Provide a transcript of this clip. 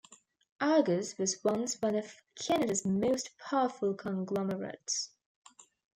Argus was once one of Canada's most powerful conglomerates.